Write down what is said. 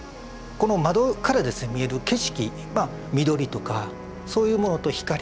この窓から見える景色緑とかそういうものと光と風。